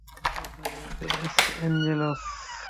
এটা Los Angeles.